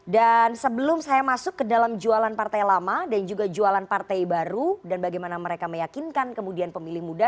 dan sebelum saya masuk ke dalam jualan partai lama dan juga jualan partai baru dan bagaimana mereka meyakinkan kemudian pemilih muda